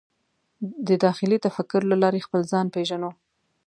د داخلي تفکر له لارې خپل ځان پېژنو.